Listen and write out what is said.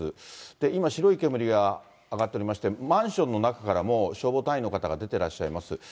今、白い煙が上がっておりまして、マンションの中からも消防隊員の方が出てらっしゃいます。